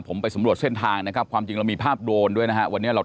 ผมไปสำรวจเส้นทางนะครับความจริงเรามีภาพโดรนด้วยนะฮะวันนี้เรา